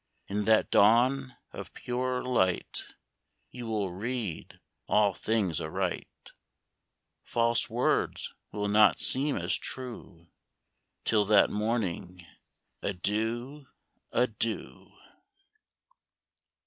In that dawn of purer light You will read all things aright, False words will not seem as true ; Till that morn, — adieu, adieu